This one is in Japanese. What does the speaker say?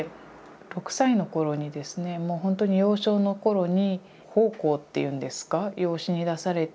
６歳の頃にですねもうほんとに幼少の頃に奉公っていうんですか養子に出されて。